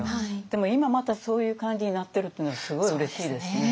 でも今またそういう感じになってるっていうのはすごいうれしいですね。